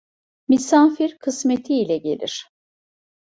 Misafir kısmeti ile gelir.